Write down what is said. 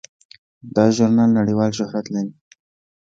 دا ژورنال نړیوال شهرت لري.